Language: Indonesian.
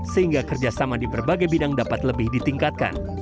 sehingga kerjasama di berbagai bidang dapat lebih ditingkatkan